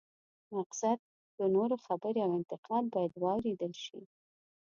مقصد د نورو خبرې او انتقاد باید واورېدل شي.